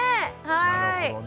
なるほどね。